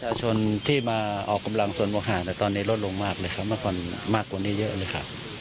ประชาชนที่มาออกกำลังส่วนหัวหาแต่ตอนนี้ลดลงมากเลยครับเมื่อก่อนมากกว่านี้เยอะเลยครับ